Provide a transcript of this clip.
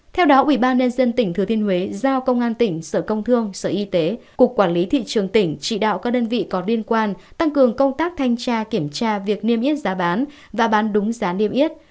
theo đó ủy ban nhân dân tỉnh thừa thiên huế giao công an tỉnh sở công thương sở y tế cục quản lý thị trường tỉnh chỉ đạo các đơn vị có liên quan tăng cường công tác thanh tra kiểm tra việc niêm yết giá bán và bán đúng giá niêm yết